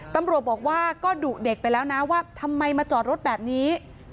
ตำรวจบอกว่าก็ดุเด็กไปแล้วนะว่าทำไมมาจอดรถแบบนี้